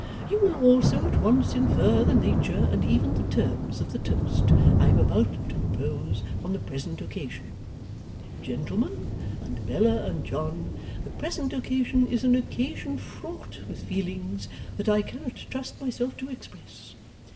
You will also at once infer the nature and even the terms of the toast I am about to propose on the present occasion. Gentlemen and Bella and John the present occasion is an occasion fraught with feelings that I cannot trust myself to express.